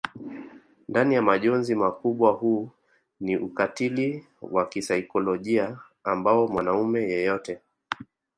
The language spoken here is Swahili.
ndani ya majonzi makubwa huu ni ukatili wa kisaikolojia ambao mwanaume yeyote